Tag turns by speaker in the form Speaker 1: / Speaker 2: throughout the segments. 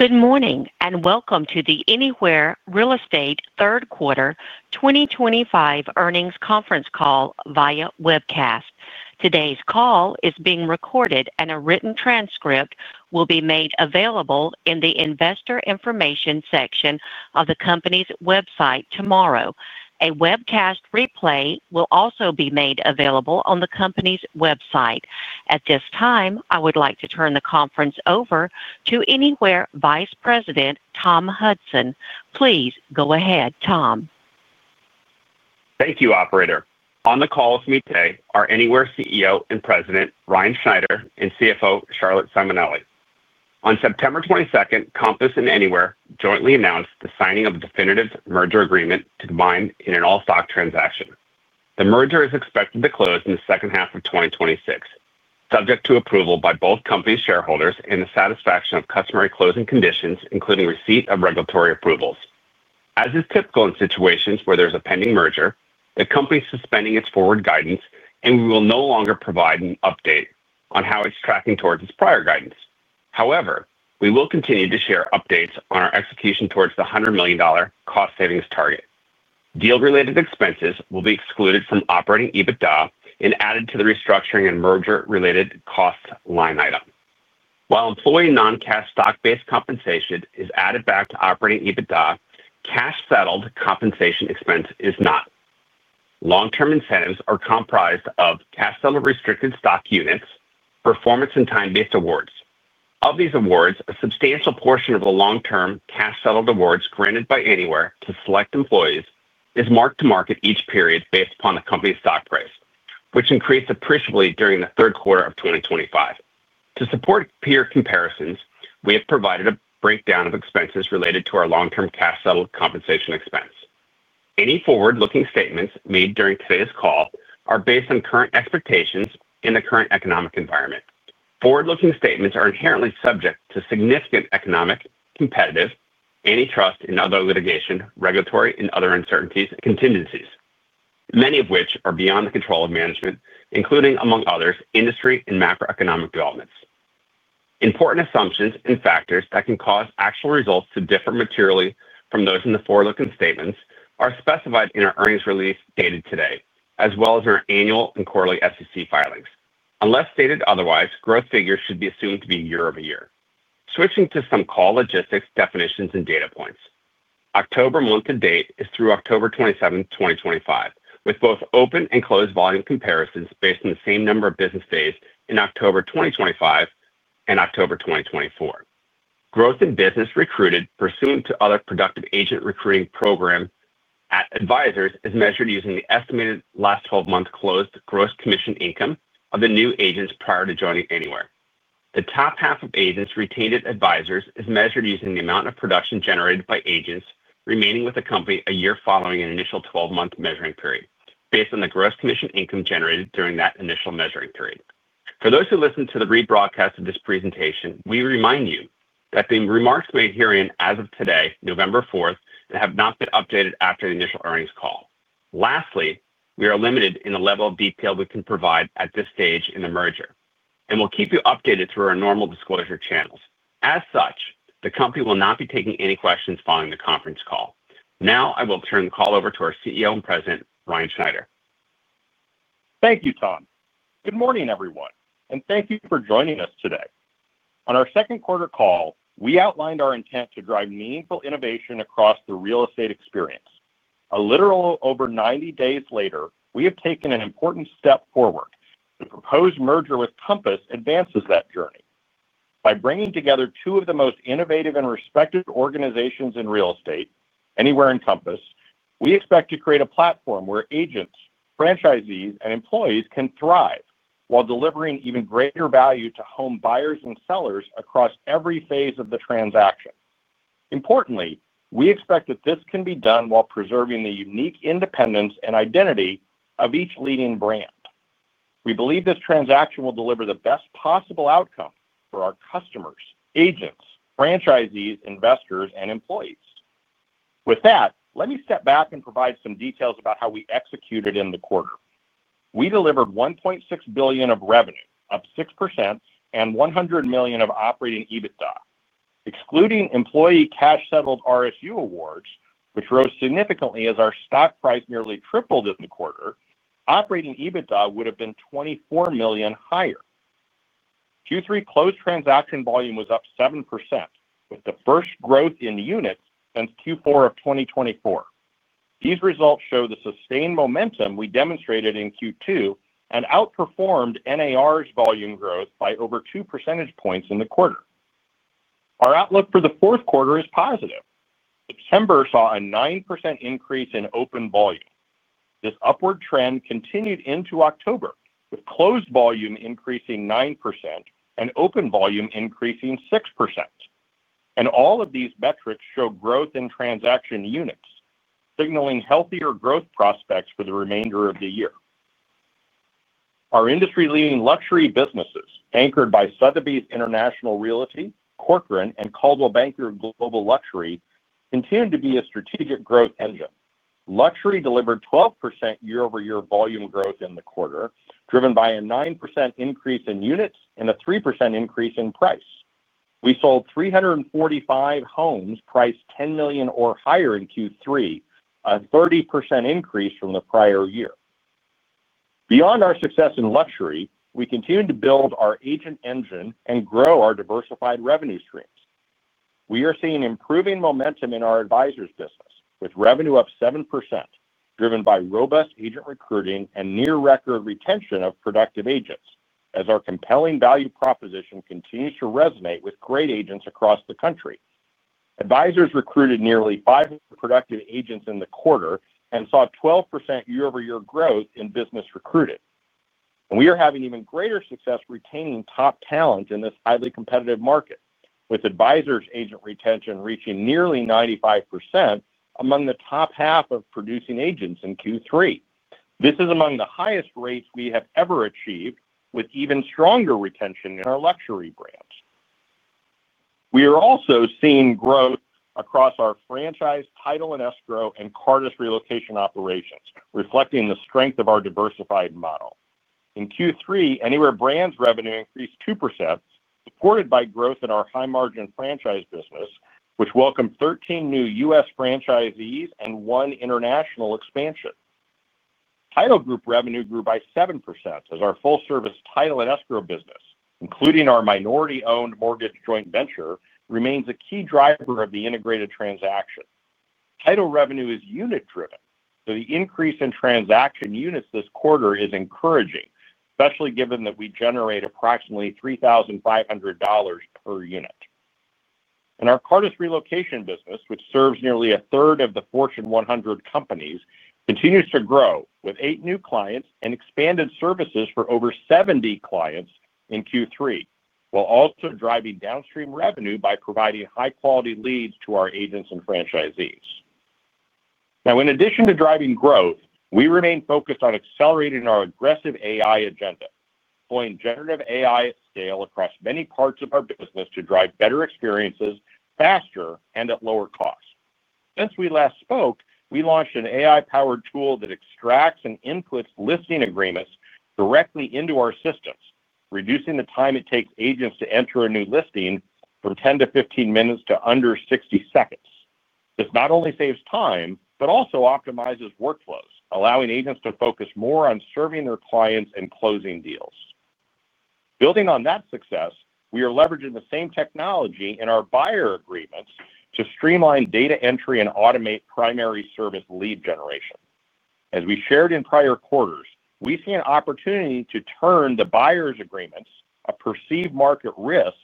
Speaker 1: Good morning, and welcome to the Anywhere Real Estate Third Quarter 2025 Earnings Conference Call via webcast. Today's call is being recorded, and a written transcript will be made available in the investor information section of the company's website tomorrow. A webcast replay will also be made available on the company's website. At this time, I would like to turn the conference over to Anywhere Vice President, Tom Hudson. Please go ahead, Tom.
Speaker 2: Thank you, operator. On the call with me today are Anywhere CEO and President, Ryan Schneider and CFO Charlotte Simonelli. On September 22nd, Compass and Anywhere jointly announced the signing of a definitive merger agreement to combine in an all-stock transaction. The merger is expected to close in the second half of 2026, subject to approval by both companies' shareholders and the satisfaction of customary closing conditions, including receipt of regulatory approvals. As is typical in situations where there is a pending merger, the company is suspending its forward guidance and we will no longer provide an update on how it's tracking towards its prior guidance. However, we will continue to share updates on our execution towards the $100 million cost savings target. Deal-related expenses will be excluded from operating EBITDA, and added to the restructuring and merger-related cost line item. While employee non-cash stock-based compensation is added back to operating EBITDA, cash-settled compensation expense is not. Long-term incentives are comprised of cash-settled restricted stock units, performance, and time-based awards. Of these awards, a substantial portion of the long-term cash-settled awards granted by Anywhere to select employees, is marked to market each period based upon the company's stock price, which increased appreciably during the third quarter of 2025. To support peer comparisons, we have provided a breakdown of expenses related to our long-term cash-settled compensation expense. Any forward-looking statements made during today's call are based on current expectations in the current economic environment. Forward-looking statements are inherently subject to significant economic, competitive, antitrust, and other litigation, regulatory, and other uncertainties and contingencies, many of which are beyond the control of management, including, among others, industry and macroeconomic developments. Important assumptions and factors that can cause actual results to differ materially from those in the forward-looking statements are specified in our earnings release dated today, as well as in our annual and quarterly SEC filings. Unless stated otherwise, growth figures should be assumed to be year-over-year. Switching to some call logistics definitions and data points. October month-to-date is through October 27th, 2025, with both open and closed volume comparisons based on the same number of business days in October 2025 and October 2024. Growth in business recruited pursuant to other productive agent recruiting programs at advisors, is measured using the estimated last 12-month closed gross commission income of the new agents prior to joining Anywhere. The top half of agents retained at advisors is measured using the amount of production generated by agents, remaining with the company a year following an initial 12-month measuring period, based on the gross commission income generated during that initial measuring period. For those who listen to the rebroadcast of this presentation, we remind you that the remarks made herein as of today, November 4th, have not been updated after the initial earnings call. Lastly, we are limited in the level of detail we can provide at this stage in the merger, and we'll keep you updated through our normal disclosure channels. As such, the company will not be taking any questions following the conference call. Now, I will turn the call over to our CEO and President, Ryan Schneider.
Speaker 3: Thank you, Tom. Good morning, everyone and thank you for joining us today. On our second quarter call, we outlined our intent to drive meaningful innovation across the real estate experience. A little over 90 days later, we have taken an important step forward. The proposed merger with Compass advances that journey. By bringing together two of the most innovative and respected organizations in real estate, Anywhere and Compass, we expect to create a platform where agents, franchisees, and employees can thrive while delivering even greater value to home buyers and sellers across every phase of the transaction. Importantly, we expect that this can be done while preserving the unique independence and identity of each leading brand. We believe this transaction will deliver the best possible outcome for our customers, agents, franchisees, investors, and employees. With that, let me step back and provide some details about how we executed in the quarter. We delivered $1.6 billion of revenue, up 6% and $100 million of operating EBITDA. Excluding employee cash-settled RSU awards, which rose significantly as our stock price nearly tripled in the quarter, operating EBITDA would have been $24 million higher. Q3 closed transaction volume was up 7%, with the first growth in units since Q4 of 2024. These results show the sustained momentum we demonstrated in Q2, and outperformed NAR's volume growth by over 2 percentage points in the quarter. Our outlook for the fourth quarter is positive. September saw a 9% increase in open volume. This upward trend continued into October, with closed volume increasing 9% and open volume increasing 6%. All of these metrics show growth in transaction units, signaling healthier growth prospects for the remainder of the year. Our industry-leading luxury businesses, anchored by Sotheby's International Realty, Corcoran, and Coldwell Banker Global Luxury, continue to be a strategic growth engine. Luxury delivered 12% year-over-year volume growth in the quarter, driven by a 9% increase in units and a 3% increase in price. We sold 345 homes priced $10 million or higher in Q3, a 30% increase from the prior year. Beyond our success in luxury, we continue to build our agent engine and grow our diversified revenue streams. We are seeing improving momentum in our advisors' business, with revenue up 7%, driven by robust agent recruiting and near-record retention of productive agents, as our compelling value proposition continues to resonate with great agents across the country. Advisors recruited nearly 500 productive agents in the quarter and saw 12% year-over-year growth in business recruited. We are having even greater success retaining top talent in this highly competitive market, with advisors' agent retention reaching nearly 95% among the top half of producing agents in Q3. This is among the highest rates we have ever achieved, with even stronger retention in our luxury brands. We are also seeing growth across our franchise, title, and escrow, and Cardiff relocation operations, reflecting the strength of our diversified model. In Q3, Anywhere brand's revenue increased 2%, supported by growth in our high-margin franchise business, which welcomed 13 new U.S. franchisees and one international expansion. Title Group revenue grew by 7% as our full-service title and escrow business, including our minority-owned mortgage joint venture, remains a key driver of the integrated transaction. Title revenue is unit-driven, so the increase in transaction units this quarter is encouraging, especially given that we generate approximately $3,500 per unit. Our Cardiff relocation business, which serves nearly 1/3 of the Fortune 100 companies, continues to grow with eight new clients and expanded services for over 70 clients in Q3, while also driving downstream revenue by providing high-quality leads to our agents and franchisees. In addition to driving growth, we remain focused on accelerating our aggressive AI agenda, deploying generative AI at scale across many parts of our business to drive better experiences faster and at lower cost. Since we last spoke, we launched an AI-powered tool that extracts and inputs listing agreements directly into our systems, reducing the time it takes agents to enter a new listing from 10-15 minutes to under 60 seconds. This not only saves time, but also optimizes workflows, allowing agents to focus more on serving their clients and closing deals. Building on that success, we are leveraging the same technology in our buyer agreements, to streamline data entry and automate primary service lead generation. As we shared in prior quarters, we see an opportunity to turn the buyer's agreements, a perceived market risk,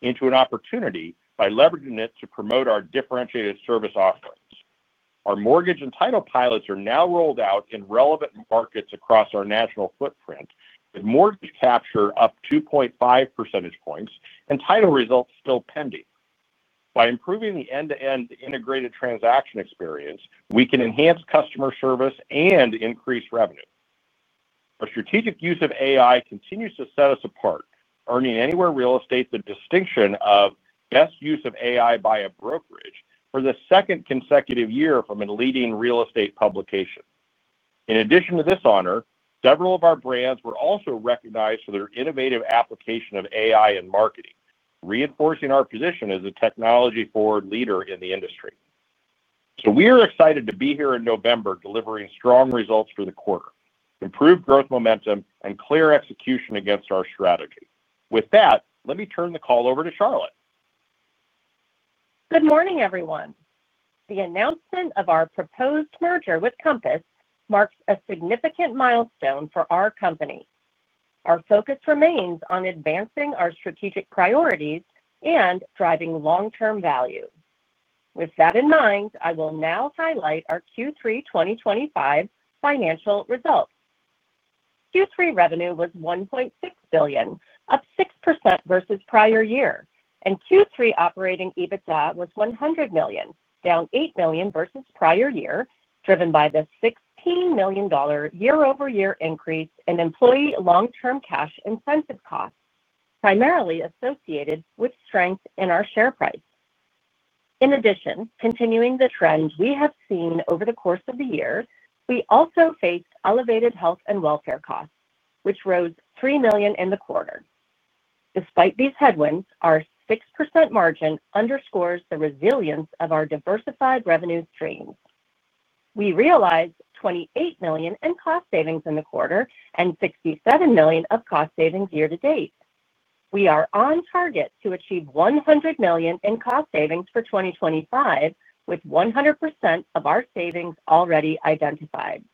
Speaker 3: into an opportunity by leveraging it to promote our differentiated service offerings. Our mortgage and title pilots are now rolled out in relevant markets across our national footprint, with mortgage capture up 2.5 percentage points and title results still pending. By improving the end-to-end integrated transaction experience, we can enhance customer service and increase revenue. Our strategic use of AI continues to set us apart, earning Anywhere Real Estate the distinction of best use of AI by a brokerage for the second consecutive year from a leading real estate publication. In addition to this honor, several of our brands were also recognized for their innovative application of AI in marketing, reinforcing our position as a technology-forward leader in the industry. We are excited to be here in November, delivering strong results for the quarter, improved growth momentum, and clear execution against our strategy. With that, let me turn the call over to Charlotte.
Speaker 4: Good morning, everyone. The announcement of our proposed merger with Compass marks a significant milestone for our company. Our focus remains on advancing our strategic priorities and driving long-term value. With that in mind, I will now highlight our Q3 2025 financial results. Q3 revenue was $1.6 billion, up 6% versus prior year, and Q3 operating EBITDA was $100 million, down $8 million versus prior year, driven by the $16 million year-over-year increase in employee long-term cash incentive costs, primarily associated with strength in our share price. In addition, continuing the trends we have seen over the course of the year, we also faced elevated health and welfare costs, which rose $3 million in the quarter. Despite these headwinds, our 6% margin underscores the resilience of our diversified revenue streams. We realized $28 million in cost savings in the quarter and $67 million of cost savings year-to-date. We are on target to achieve $100 million in cost savings for 2025, with 100% of our savings already identified.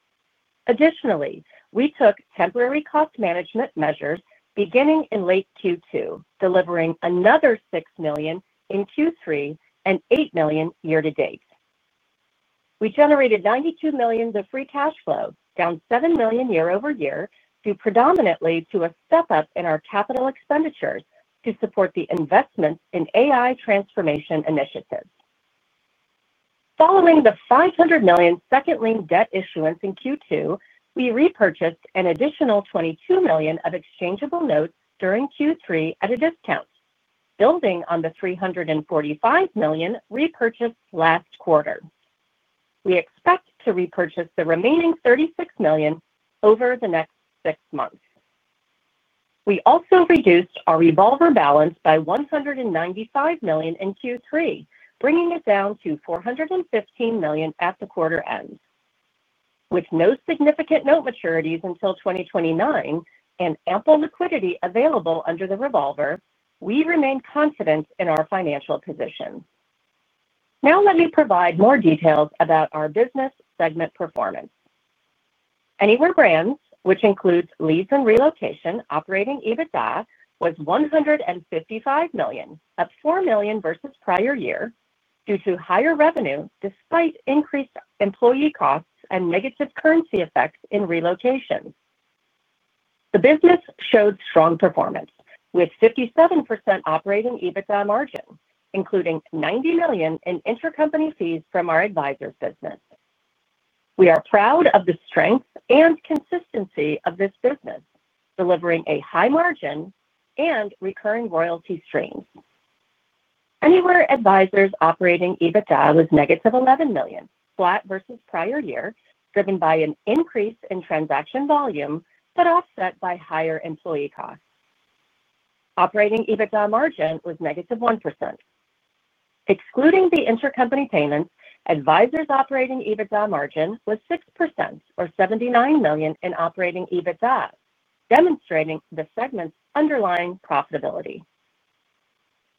Speaker 4: Additionally, we took temporary cost management measures beginning in late Q2, delivering another $6 million in Q3 and $8 million year-to-date. We generated $92 million of free cash flow, down $7 million year-over-year, predominantly due to a step-up in our capital expenditures to support the investments in AI transformation initiatives. Following the $500 million second-linked debt issuance in Q2, we repurchased an additional $22 million of exchangeable notes during Q3 at a discount, building on the $345 million repurchased last quarter. We expect to repurchase the remaining $36 million over the next six months. We also reduced our revolver balance by $195 million in Q3, bringing it down to $415 million at the quarter end. With no significant note maturities until 2029 and ample liquidity available under the revolver, we remain confident in our financial position. Now, let me provide more details about our business segment performance. Anywhere brands, which includes leads and relocation operating EBITDA, was $155 million, up $4 million versus prior year, due to higher revenue despite increased employee costs and negative currency effects in relocation. The business showed strong performance, with 57% operating EBITDA margin, including $90 million in intercompany fees from our advisors' business. We are proud of the strength and consistency of this business, delivering a high margin and recurring royalty streams. Anywhere advisors' operating EBITDA was negative $11 million, flat versus prior year, driven by an increase in transaction volume, but offset by higher employee costs. Operating EBITDA margin was negative 1%. Excluding the intercompany payments, Advisors operating EBITDA margin was 6%, or $79 million in operating EBITDA, demonstrating the segment's underlying profitability.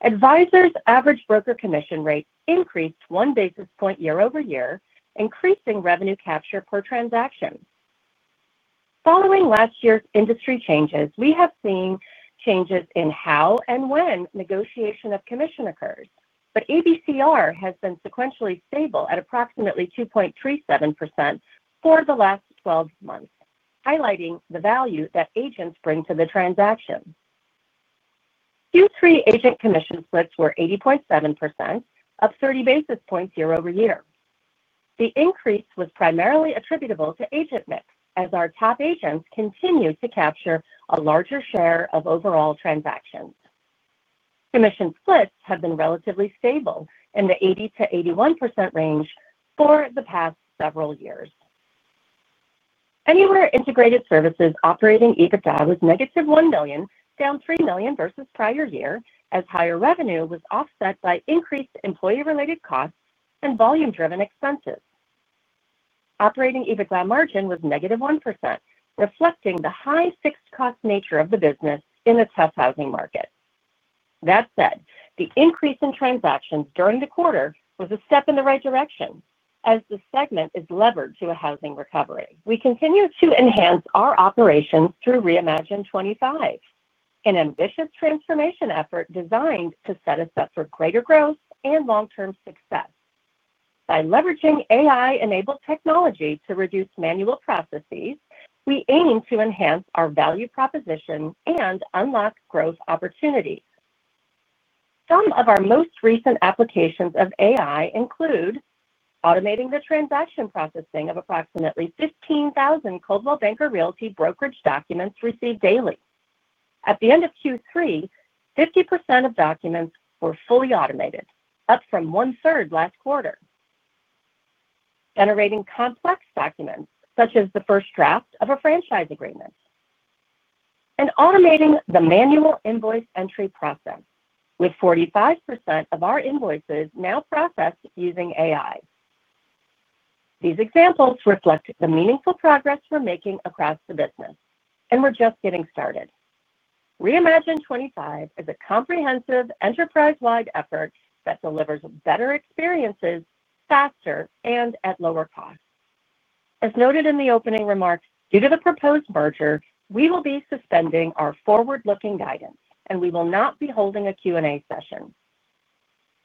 Speaker 4: Advisors' average broker commission rate increased one basis point year-over-year, increasing revenue capture per transaction. Following last year's industry changes, we have seen changes in how and when negotiation of commission occurs, but [ABCR] has been sequentially stable at approximately 2.37% for the last 12 months, highlighting the value that agents bring to the transaction. Q3 agent commission splits were 80.7%, up 30 basis points year-over-year. The increase was primarily attributable to agent mix, as our top agents continue to capture a larger share of overall transactions. Commission splits have been relatively stable in the 80%-81% range for the past several years. Anywhere Integrated Services operating EBITDA was -$1 million, down $3 million versus prior year, as higher revenue was offset by increased employee-related costs and volume-driven expenses. Operating EBITDA margin was negative 1%, reflecting the high fixed-cost nature of the business in the tough housing market. That said, the increase in transactions during the quarter was a step in the right direction, as the segment is levered to a housing recovery. We continue to enhance our operations through Reimagine 25, an ambitious transformation effort designed to set us up for greater growth and long-term success. By leveraging AI-enabled technology to reduce manual processes, we aim to enhance our value proposition and unlock growth opportunities. Some of our most recent applications of AI include automating the transaction processing of approximately 15,000 Coldwell Banker Realty brokerage documents received daily. At the end of Q3, 50% of documents were fully automated, up from 1/3 last quarter, generating complex documents, such as the first draft of a franchise agreement and automating the manual invoice entry process, with 45% of our invoices now processed using AI. These examples reflect the meaningful progress we're making across the business, and we're just getting started. Reimagine 25 is a comprehensive, enterprise-wide effort that delivers better experiences faster and at lower costs. As noted in the opening remarks, due to the proposed merger, we will be suspending our forward-looking guidance and we will not be holding a Q&A session.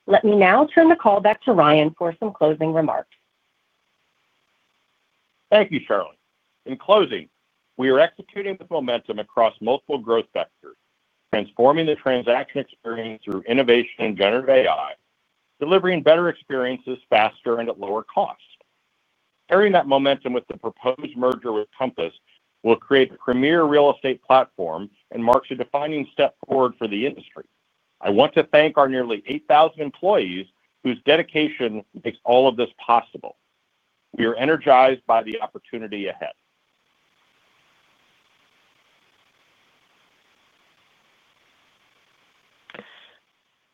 Speaker 4: Let me now turn the call back to Ryan for some closing remarks.
Speaker 3: Thank you, Charlotte. In closing, we are executing with momentum across multiple growth vectors, transforming the transaction experience through innovation and generative AI, delivering better experiences faster and at lower cost. Carrying that momentum with the proposed merger with Compass will create a premier real estate platform, and marks a defining step forward for the industry. I want to thank our nearly 8,000 employees whose dedication makes all of this possible. We are energized by the opportunity ahead.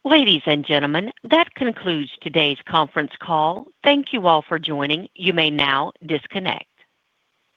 Speaker 1: Ladies and gentlemen, that concludes today's conference call. Thank you all for joining. You may now disconnect.